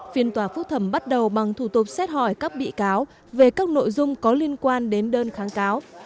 phiên tòa phúc thẩm bắt đầu bằng thủ tục xét hỏi các bị cáo về các nội dung có liên quan đến đơn kháng cáo